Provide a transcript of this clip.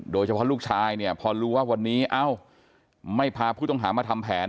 โดยเฉพาะลูกชายเนี่ยพอรู้ว่าวันนี้ไม่พาผู้ต้องหามาทำแผน